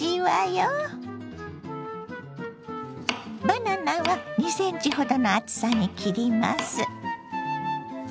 バナナは２ｃｍほどの厚さに切ります。